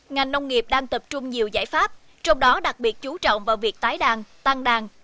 ngành nông nghiệp đang tập trung nhiều giải pháp trong đó đặc biệt chú trọng vào việc tái đàn tăng đàn